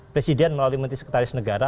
presiden melalui menteri sekretaris negara